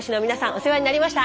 お世話になりました。